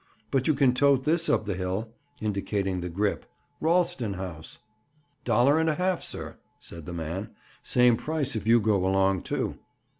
"But you can tote this up the hill," indicating the grip. "Ralston house." "Dollar and a half, sir," said the man. "Same price if you go along, too."